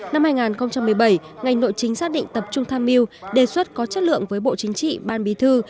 năm hai nghìn một mươi bảy ngành nội chính xác định tập trung tham mưu đề xuất có chất lượng với bộ chính trị ban bí thư